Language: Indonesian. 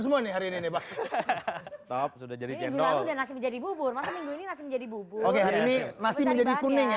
oke hari ini nasi menjadi kuning ya